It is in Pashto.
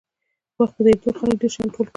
وخت په تېرېدو خلکو ډېر شیان ټول کړل.